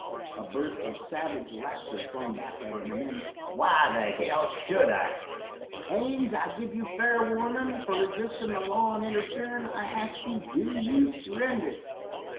A burst of savage laughter flung back at him, and then: "Why the hell should I?" "Haines, I give you fair warnin'! For resistin' the law and interferin', I ask you, do you surrender?"